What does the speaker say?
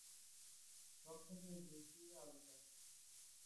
সব থেকে বেশি আলু চাষ।